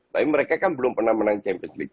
tapi mereka kan belum pernah menang champions leagu